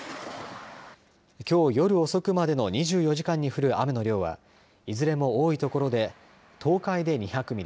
きょう夜遅くまでの２４時間に降る雨の量はいずれも多い所で東海で２００ミリ